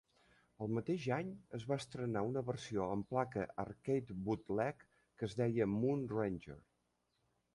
El mateix any es va estrenar una versió amb placa arcade bootleg que es deia "Moon Ranger".